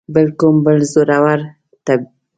بل کوم بل زورور ته.